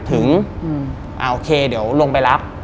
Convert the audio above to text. ถึงอ่าโอเคเดี๋ยวลงไปรับ